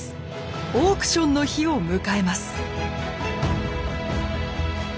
オークションの日を迎えます。